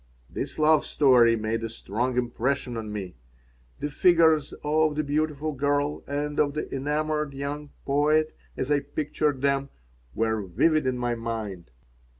This love story made a strong impression on me. The figures of the beautiful girl and of the enamoured young poet, as I pictured them, were vivid in my mind.